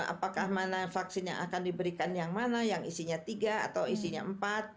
apakah mana vaksin yang akan diberikan yang mana yang isinya tiga atau isinya empat